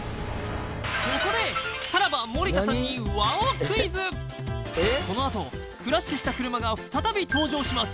ここでさらば・森田さんにこの後クラッシュした車が再び登場します